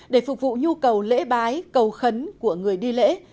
để phục vụ nhu cầu lễ bái cầu khấn của người đi lễ